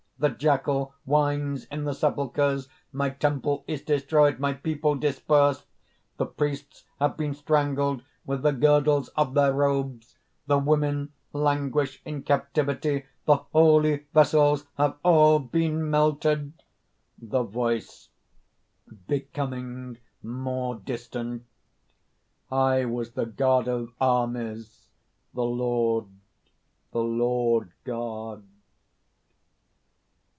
The jackal whines in the sepulchres; my temple is destroyed; my people dispersed! "The priests have been strangled with the girdles of their robes. The women languish in captivity; the holy vessels have all been melted!" (The voice, becoming more distant): "I was the God of Armies; the Lord, the Lord God!"